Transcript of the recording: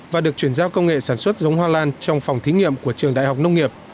và được chuyển giao công nghệ sản xuất giống hoa lan trong phòng thí nghiệm của trường đại học nông nghiệp